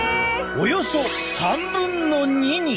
およそ３分の２に！